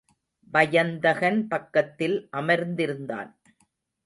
வயந்தகன் பக்கத்தில் அமர்ந்திருந்தான்.